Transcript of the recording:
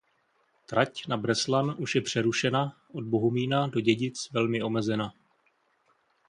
Trať na Breslan už je přerušena, od Bohumína do Dědic velmi omezena.